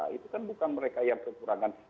itu kan bukan mereka yang kekurangan